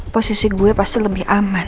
posisi gue pasti lebih aman